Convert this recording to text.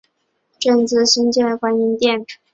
捐资新建观音殿。